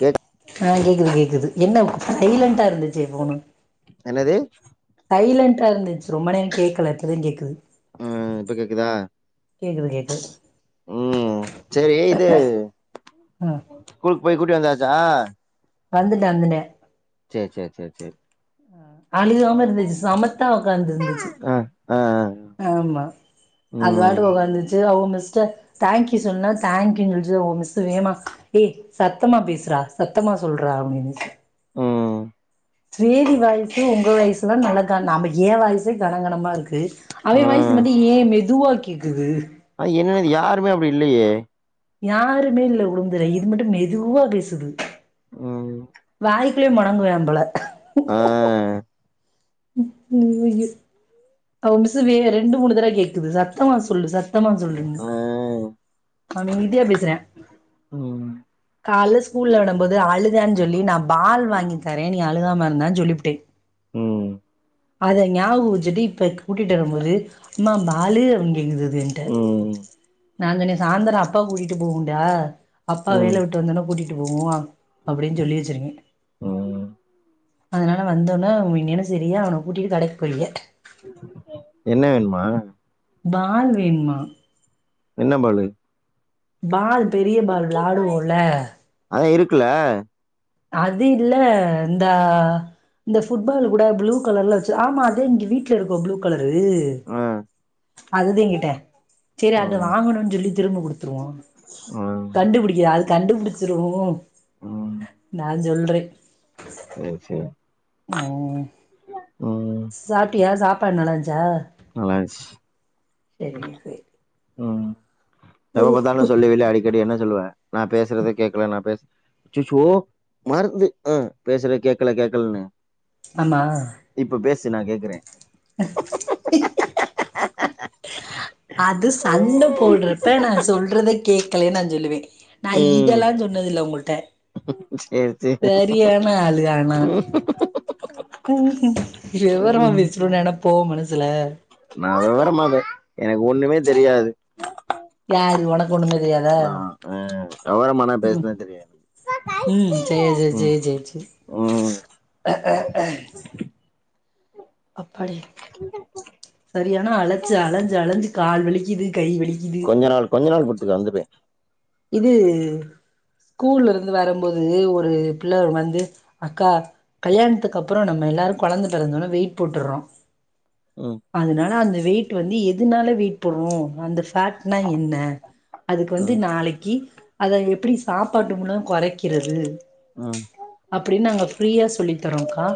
cake ஆ கேக்குது கேக்குது என்ன சைலண்டா இருந்துச்சு ஃபோணு என்னது சைலண்டா இருந்துச்சு ரொம்ப நேரோ கேக்கல இப்பதா கேக்குது ஆ இப்ப கேக்குதா கேக்குது கேக்குது ம் செரி இது ஆ கூல் போய் கூட்டி வந்தாச்சா வந்துட்ட வந்துட்ட செர் செர் செர் செர் அழுகாம இருந்துச்சு சமத்தா ஒக்காந்து இருந்துச்சு ஆ ஆ ஆ ஆமா அது ம் பாட்டுகு ஒக்காந்துச்சு அவ்க மிஸ்ட தேங்க்யூ சொல்லுனா தேங்க்யூனு சொல் இது இவ மிஸ்சு வேகமா ஏ சத்தமா பேசுறா சத்தமா சொல்ற அப்டினு ம் தேவி வாய்சு உங்க வாய்சுலா நல்லாகா நம்ம எ வாய்சே கனகனமா இருக்கு ஆ அவே வாய்ஸ் த்து மட்டு ஏ மெதுவா கேக்குது அது என்னது யாருமே அப்டி இல்லயே யாருமே இல்ல குடும்பதுல இது மட்டு மெதுவா பேசுது ம் வாய்குல்லே முடங்குவே போல ஆ ஐயோ அவ மிஸ்சு வே ரெண்டு மூணு தடவ கேக்குது சத்தமா சொல்லு சத்தமா சொல்லுன்னு ஆ அமைதியா பேசுறே ம் காள்ல ஸ்கூல்ல விடும்போது ஆளுதேன் சொல்லி நா பால் வாங்கி தரே நீ அழுகாம இருந்தானு சொல்லிபுட்டே ம் அத ஞாபகோ வெச்சிட்டு இப்ப கூட்டிட்டு வரும்போது அம்மா பாலு அப்டினு கேக்குது அது எங்கிட்ட ம் நா சொன்னே சாயந்தரோ அப்பா கூட்டிட்டு போகுன்டா அப்பா ம் வேல விட்டு வந்தோன கூட்டிட்டு போவு அப்டின்னு சொல்லி வெச்சிருக்கே ம் அதனால வந்தோன ஒன்னேன்னு சரியா அவன கூட்டிட்டு கடைக்கு போறிங்க என்ன வேணுமா பால் வேணுமா என்ன பாலு பால் பெரிய பால் விளாடுவோல அதா இருக்குல அது இல்ல இந்த இந்த ஃபுட்பால் கூட ப்ளூ கலர்ல வச்சு ஆமா அதா இங்க வீட்ல இருக்கோ ப்ளூ கலரு ஆ அதுதே கேட்ட சேரி ஆ அத வாங்கனோன்னு சொல்லி திரும்ப குடுத்துருவோ ஆ கண்டுபிடிக்குதா அது கண்டுபிடிச்சிரு ம், சேரி சேரி ம் சாப்ட்டியா சாப்பாடு நல்லா இருந்ச்சா நல்லாருந்ச்சு சேரி சே ம், எப்பப் பாத்தாலு சொல்லுவில அடிக்கடி என்ன சொல்லுவ நா பேசுறதே கேக்கல நா பேச அச்சச்சோ மறந்து ஆ பேசுறத கேக்கல கேக்கலனு ஆமா இப்ப பேசு நா கேக்குறே ஹ ஆ ஆ அது சண்ட போடுறப்ப நா சொல்றத கேக்கலனு நா சொல்லுவே நா ம் இதெல்லா சொன்னது இல்ல உங்கள்ட்ட சேரி சேரி சரியான ஆளு ஆனா விவரமா பேசுறோம்னு நெனப்போ மனசுல நா விவரமா பே எனக்கு ஒண்ணுமே தெரியாது யாரு உனக் நா ஆ வெவரமாலா ம் பேசலா தெரியாது ம் சேரி சேரி சேரி சேரி ம் அ அ அப்பாடி சரியானா அலைச்ச அலஞ்சி அலஞ்சி கால் வலிக்குது கை வலிக்குது கொஞ்ச நாள் கொஞ்ச நாள் பொறுத்துக்க வந்துருவே இது ஸ்கூல்ல இருந்து வரும்போது ஒரு பிள்ள வந்து அக்கா கல்யாணத்துக்கு அப்பறோ நம்ம எல்லாரு கொழந்த பிறந்தோன வெயிட் போட்டுட்றோ ம் அதனால அந்த வெயிட் வந்து எதுனால வெயிட் போடுறோ அந்த டக்னா இல்ல அதுக்கு வந்து ம் நாளைக்கு அத எப்பிடி சாப்பாட்டு முன்ன கொறைக்கிறது ம் அப்டின்னு நாங்க ஃப்ரீயா சொல்லி தரோம்கா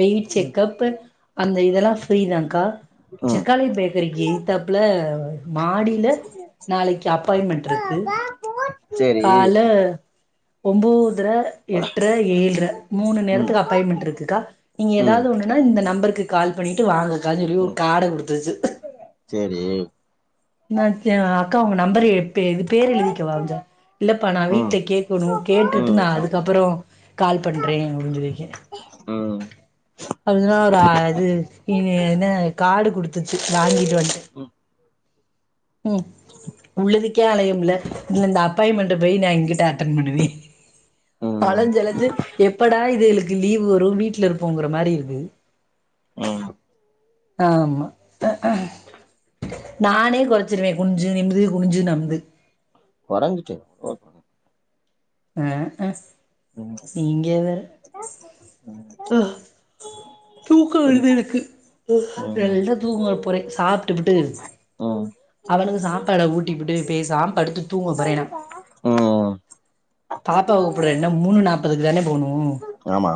வெயிட் செக்கப்பு அந்த இதெல்லா ஃப்ரீதான்கா ம் செக்காளி பேக் தறிக்கு எய்த் தாப்புல மாடியில நாளைக்கு அப்பாயின்மெண்ட் இருக்கு சேரி காலு ஒபோதுர எட்டுற ஏழுர மூணு ம் நேரத்துக்கு அப்பாயின்மெண்ட் இருக்குக்கா நீங்க ம் ஏதாவது ஒன்னுன்னா இந்த நம்பருக்கு கால் பண்ணிட்டு வாங்கக்கா சொல்லி ஒரு காட குடுத்தச்சு செரி நேந்து எங்க அக்கா உங்க நம்பர் எத்து பேர் எழுதி வெக்க வா இல்லப்பா வா வீட்ல கேக்கணு கேட்டுட்டு கொறஞ்சுட்டு நா அதுக்கப்பறோ கால் பண்றே அப்டின் சொல்லிக்கே ம் அப்டின்னா ஒரு அது இனு என்ன காடு குடுத்துச்சு வாங்கிட்டு வந்ட்டே ம் உள்ளதுக்கே அலைய முல்ல இந்த அப்பாயின்மெண்ட் போயி நா எங்கிட்டு அட்டன் பண்ணுவே ம் ம் அலஞ்சி அலஞ்சு எப்படா இது இதுகளுக்கு லீவ் வரு வீட்ல இருப்போங்கிற மாரி இருக்கு ம் ஆமா நானே கொறச்சிருவே குனிஞ்சு நிம்ன்து குனிஞ்சு நிமின்து கொறஞ்சிட்டு கொ ம் நீங்க வேற தூக்க ம் வருது எனக்கு ம் நல்ல தூக்க போறே சாப்ட்டுபுட்டு அவனுக்கு சாப்பாட ஊட்டிட்டு போய் பேசாம படுத்து தூங்க போறேனா ம் பாப்பாவ கூப்புட என்ன மூணு நாப்பதுக்கு தானே போணு ஆமா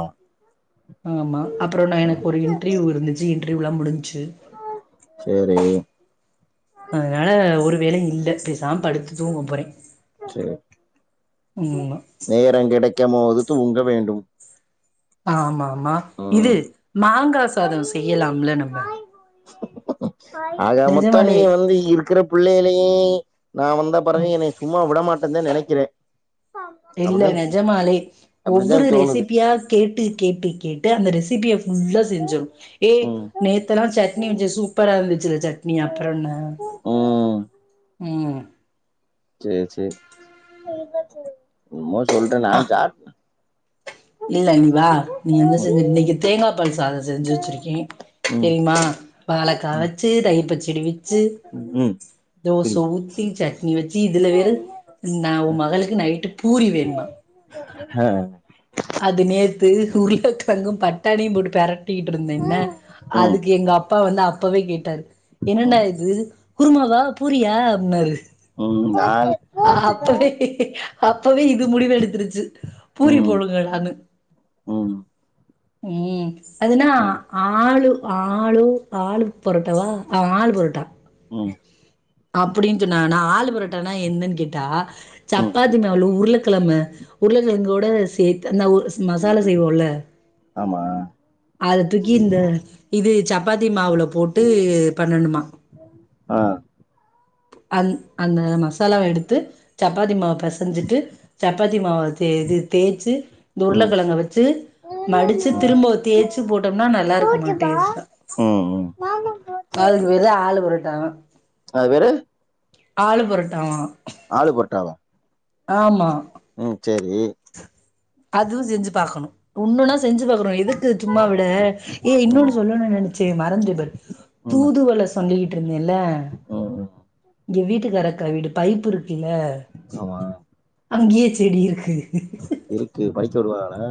ஆமா அப்றோ நா ம் எனக்கு ஒரு இன்டிர்யூ இருந்துச்சு இன்டிர்யூலா முடிஞ்சு சேரி அதனால ஒரு வேலயு இல்ல பேசாம படுத்து தூங்க போறே சேர் ம்மா நேரம் கெடைக்கம் போது தூங்க வேண்டும் ஆமாமா ம் இது மாங்கா சாதம் செய்யலாம்ல நம்ப ஆக மொத்தா நீ நெஜமாலே வந்து இருக்குற புள்ளையிலயே நா வந்தா பெறகு ம் என்னைய சும்மா விடமாட்டன் தா நெனைக்கிறே இல்ல அப்டிதா நெஜமாலே அப்டித்தா ஒவ்வொரு தோணுது ரெசிபியா கேட்டு கேட்டு கேட்டு அந்த ரெசிபிய ஃபுள்ளா செஞ்சம் ஏ ம் நேத்தெலா சட்னி வெச்ச சூப்பரா இருந்துச்சு சட்னி அப்பறனென்ன ம் ம் சேர் சேரி சும்மா சொல்றே நான் சாப்டே இல்ல நீ வா நீ என்ன செஞ்சு இன்னிக்கு தேங்கா பால் சாதம் செஞ்சு வெச்சுருக்கே தெரிமா வாழக்கா ம் வெச்சு தயிர்ப்பச்சடி வெச்சு ம் தோச புரி ஊத்தி சட்னி வெச்சு இதுல வேறு நா உ மகளுக்கு நைட்டு பூரி வேணுமா அ அது நேத்து உருளக்கெழங்கு பட்டாணியும் போட்டு பெரட்டிட்டு இருந்தேன்ன ம் அதுக்கு எங்க அப்பா வந்து அப்பவே கேட்டாரு என்னெடா ம் இது குருமாவா பூரியா அப்டினாரு உம் நாலா அப்பவே அப்பவே இது முடிவெடுத்துருச்சு பூரி போடணு நானு உம் உம் அதுனா ஆளு ஆளு ஆளு பொரோட்டாவா ஆளு பொரட்டா உம் அப்டின்னு சொன்னாங்க நா ஆளு பரோட்டனா என்னன்னு கேட்டா ம் சப்பாத்தி மா உருளக்கிழம உருளக்கிழங்கோட சேத்து அந்த மசாலா செய்வோல ஆமா அத தூக்கி இந்த இது சப்பாத்தி மாவுல போட்டு பண்ணணுமா ஆஹ் அந் அந்த மசாலாவ எடுத்து சப்பாத்தி மாவு பெசஞ்சிட்டு சப்பாத்தி மாவ இது தேச்சு ம் உருளக்கிழங்க வச்சு மடிச்சு திரும்ப தேச்சு போட்டோம்னா நல்லா இருக்குமா டேஸ்ட்டா ம் ம் அதுக்கு பேருதா ஆளு பரோட்டாவா அதுக்கு பேரு ஆளு பொரோட்டாவா ஆளு பொரோட்டாவா ஆமா ம் சேரி அதுவு செஞ்சு பாக்கணு ஒன்னொன்னா செஞ்சு பாக்குறோ எதுக்கு சும்மா விட ஏ ம் ம் இன்னொன்னு சொல்லணு நெனச்சே மறந்துட்டேபாரு ம் தூதுவல சொல்லிக்கிட்டு இருந்தேல்ல ம் இங்க வீட்டுக்கார அக்கா வீடு பைப்பு இருக்குல்ல ஆமா அங்கேயே செடி இருக்கு இருக்கு பறிச்சுடு வருவதான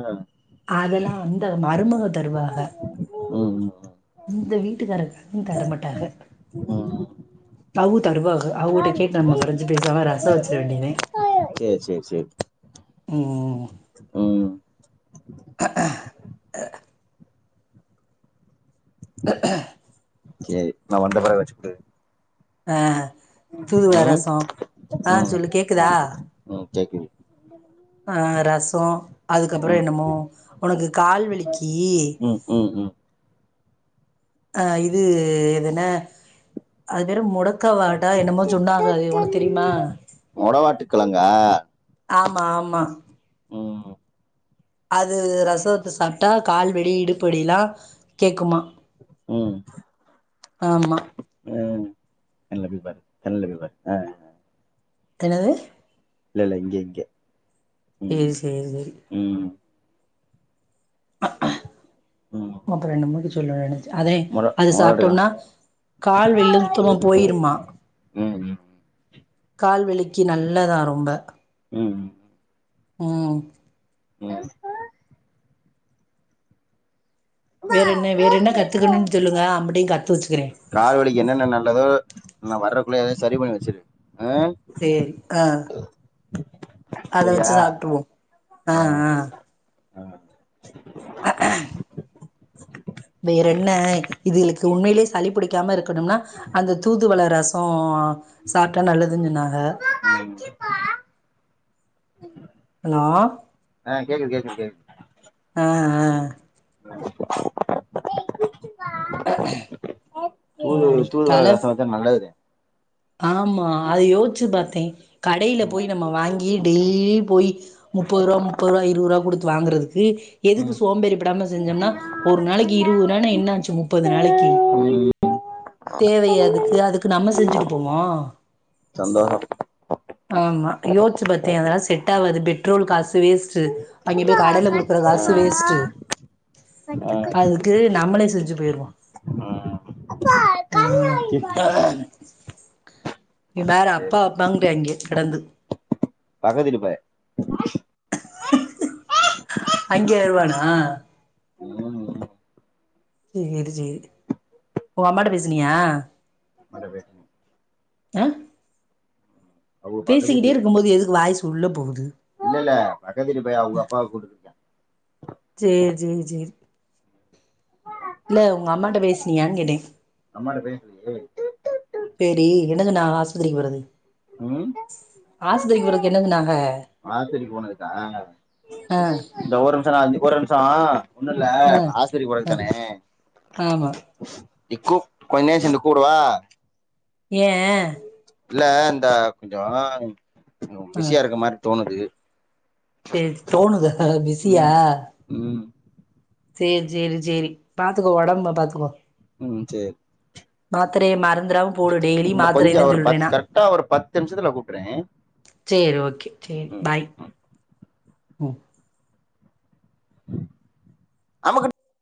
அதெல்லா அந்த மருமக தருவாக ம் ம் ம் இந்த வீட்டுக்காரங்க தரமாட்டாங்க ம் அதுவு தருவாக அவுங்ட்ட கேட்டு நம்ம பரிச்சு பேசாம ரசோ வெச்சிட வேண்டியதே சேர் சேர் சேரி ம் ம் அ ஆ சேரி நா வண்டப்பிறகு வெச்சிகுடு ஆ தூதுவல ம் ரசோ ஆ ம் சொல்லு கேக்குதா ம் கேக்குது அ ரசோ அதுக்கப்றோ ம் என்னமோ உனக்கு கால்வலிக்கீ ம் ம் ம் ஆ இது இது என்ன அது பெரு மூடங் க்க வாடா என்னமோ சொன்னாங்க அது உனக்கு தெரியுமா மொடவாட்டுக்கெழங்கா ஆமா ஆமா ம் அது ரசோத்த சாப்ட்டா கால்வலி இடுப்பு வலிலா கேக்குமா ம் ஆமா ஜன்னல போயி பாரு ஜன்னல போயி பாரு ஆ என்னது இல்ல இல்ல இங்க இங்க ஏ ம் சேரி சேரி ம் ம் அப்புறே ரெண்டு மணிக்கு சொல்லுவா வேணு அதே மொட அது மொடவாட்டுக்கெழங்கு சாப்ட்டோம்னா கால் வலிலா சுத்தமா போயிருமா ம் ம் கால்வலிக்கி நல்லதா ரொம்ப ம் ம் ம் வேற என்ன வேற என்ன கத்துக்கணு சொல்லுங்க அம்புட்டையு கத்து வெச்சுக்குறே கால்வலிக்கு என்னென்ன நல்லதோ நா வர்றக்குள்ள ஏதே சரி பண்ணி வச்சிரு ம் சரி ஆ சரியா அதாச்சு சாப்பிட்டுவோ ஆ ஆ ஆ ஆ ஆ வேற என்ன இதுகளுக்கு உண்மையிலேயே சளி பிடிக்காம இருக்கணும்னா அந்த தூதுவள ரச கோவமா ம் ஹலோ ஆ கேக்குது கேக்குது கேக்குது ஆ ஆ ம் ம் தூது தூதுவளை ரசம் வெச்சா நல்லது ஆமா அதது யோசிச்சு பாத்தே கடையில போயி நம்ம வாங்கி டெய்லியு போயி முப்பது ரூபா முப்பது ரூபா இருபது ரூபா கொடுத்து வாங்குறதுக்கு எதுக்கு ம் சோம்பேறி படாம செஞ்சோம்னா ஒரு நாளைக்கு இருபது ரூபானா என்ன ஆச்சு முப்பது நாளைக்கு ம் தேவையா அதுக்கு அதுக்கு நம்ம செஞ்சுட்டு போவோ சந்தோசம் ஆமா யோசிச்சு பாத்தே அத எல்லா செட் ஆவாது பெட்ரோல் காசு வேஸ்டு அங்கே போயி கடையில கொடுக்குற காசு வேஸ்ட்டு அதுக்கு நம்மளே செஞ்சு போயிடுவோ ம் இது வேற அப்பா அப்பாங்கிறாங்க கிடந்து பக்கத்து வீட்டு பையன் அங்கய வருவானா ம் சேரி சேரி ஊ அம்மாட பேசுனியா வரவே அ அவங்க பக்கத்து பேசிக்கிட்டே இருக்கும்போது எதுக்கு வாய்சு உள்ள போகுது இல்லல்ல பக்கத்து வீட்டு பைய அவுங்க அப்பாவ கூட் சேர் சேரி சேரி ஆ இல்ல உங்க அம்மாட்ட பேசுனியனு கேட்டே அம்மாட்ட பேசுலியே சேரி என்ன சொன்னாக ஆஸ்பத்திரிக்கி போறதுக்கு ம் ஆஸ்பத்திரிக்கி போறதுக்கு என்ன சொன்னாங்க ஆஸ்பத்திரி போனதுக்கா ஆ இந்த ஒரு நிமிஷோ நா இது ஒரு நிமிஷோ ஒண்ணுல்ல ஆ இப்ப ஆஸ்பத்திரிக்கி போரதுக் ஆ தானே ஆமா இக்கு கொஞ்ச நேரோ சென்டு கூப்டவா ஏயே இல்ல இந்த கொஞ்சோ ம் பிசியாருக்க மாரி தோணுது சேர் தோணுதா பிஸியா ம் ம் சேரி சேரி சேரி பாத்துக்கோ ஒடம்ப பாத்துக்கோ ம் சேரி மாத்திரைய மறந்துறாம போடு டெய்லி இந்த மாத்திர கொஞ்சோ இதுன்னு ஒரு பத்து சொல்றேன்னா கரெக்டா ஒரு பத்து நிமிஷத்துல கூப்ட்டுறே சேரி ஓகே சேரி பாய் ம் அம்முக்குட்